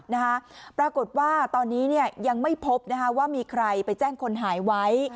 นะคะปรากฏว่าตอนนี้เนี่ยยังไม่พบนะคะว่ามีใครไปแจ้งคนหายไว้